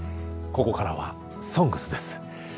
ここからは「ＳＯＮＧＳ」です。